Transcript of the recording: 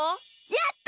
やった！